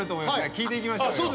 聞いていきましょう。